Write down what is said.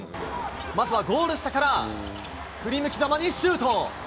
まずはゴール下から、振り向きざまにシュート。